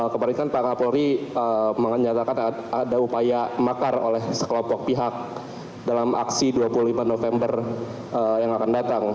kemarin kan pak kapolri mengatakan ada upaya makar oleh sekelompok pihak dalam aksi dua puluh lima november yang akan datang